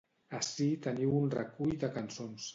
Ací teniu un recull de cançons.